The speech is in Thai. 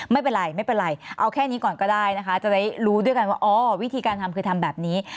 ไม่เป็นไรไม่เป็นไรเอาแค่นี้ก่อนก็ได้นะคะจะได้รู้ด้วยกันว่าอ๋อวิธีการทำคือทำแบบนี้